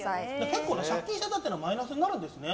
結構、借金してたっていうのはマイナスになるんですね。